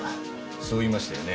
そう言いましたよね？